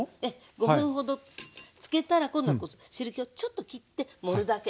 ５分ほどつけたら今度汁けをちょっときって盛るだけ。